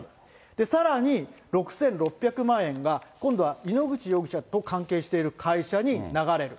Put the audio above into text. さらに、６６００万円が今度は井ノ口容疑者と関係している会社に流れる。